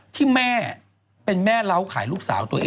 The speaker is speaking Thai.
ที่แม่เป็นแม่เล้าขายลูกสาวตัวเอง